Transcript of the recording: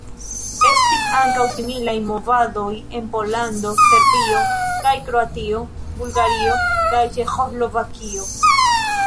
Estis ankaŭ similaj movadoj en Pollando, Serbio kaj Kroatio, Bulgario kaj Ĉeĥoslovakio.